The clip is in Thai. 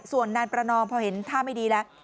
ส่วนนางประนอมพอเห็นท่าไม่ดีแล้ว